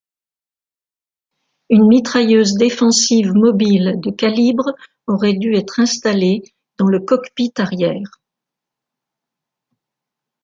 Une mitrailleuse défensive mobile de calibre aurait dû être installée dans le cockpit arrière.